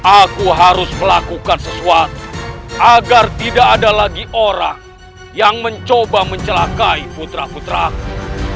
aku harus melakukan sesuatu agar tidak ada lagi orang yang mencoba mencelakai putra putraku